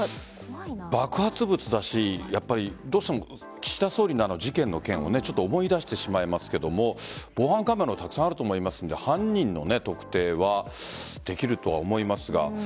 爆発物だしどうしても岸田総理の事件の件を思い出してしまいますけども防犯カメラたくさんあると思いますので犯人の特定はできるとは思いますが。